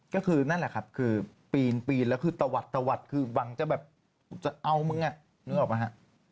ก็คือนั่นแหละครับคือปีนปีนแล้วคือตะวัดตะวัดคือหวังจะแบบจะเอามึงอ่ะนึกออกไหมฮะ